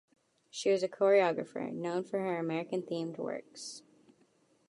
She was a choreographer known for American themed works.